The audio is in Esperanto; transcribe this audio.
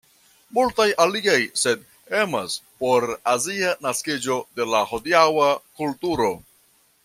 Multaj aliaj sed emas por azia naskiĝo de la hodiaŭa kulturo.